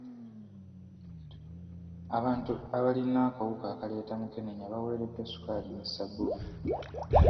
Abantu abalina akawuka akaleeta mukenenya baweereddwa sukaali ne ssabbuuni.